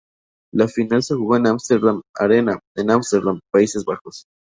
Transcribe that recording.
La final se jugó en Ámsterdam Arena en Ámsterdam, Países Bajos.